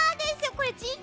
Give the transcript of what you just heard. これ。